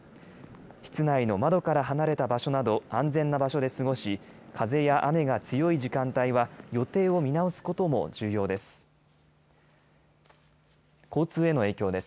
室内の窓から離れた場所など、安全な場所で過ごし、風や雨が強い時間帯は予定を見直すことも重要です。